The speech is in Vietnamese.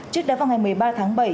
trước đó vào ngày một mươi ba tháng bảy